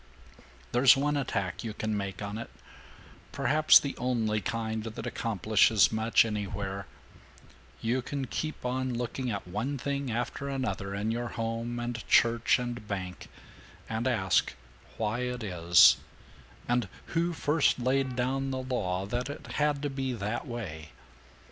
There's one attack you can make on it, perhaps the only kind that accomplishes much anywhere: you can keep on looking at one thing after another in your home and church and bank, and ask why it is, and who first laid down the law that it had to be that way.